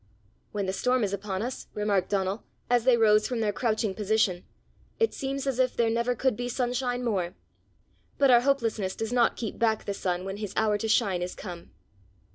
"When the storm is upon us," remarked Donal, as they rose from their crouching position, "it seems as if there never could be sunshine more; but our hopelessness does not keep back the sun when his hour to shine is come."